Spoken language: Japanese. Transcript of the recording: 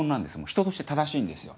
人として正しいんですよ